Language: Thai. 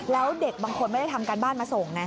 แล้วเด็กบางคนไม่ได้ทำการบ้านมาส่งไง